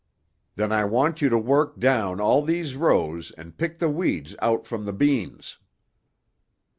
"Then I want you to work down all these rows and pick the weeds out from the beans."